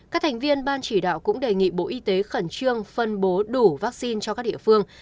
các thành viên ban chỉ đạo cũng đề nghị bộ y tế khẩn trương phân bố đủ vaccine cho các địa phương